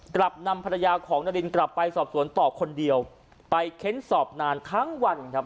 กลับนำภรรยาของนารินกลับไปสอบสวนต่อคนเดียวไปเค้นสอบนานทั้งวันครับ